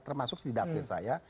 termasuk sedapin saya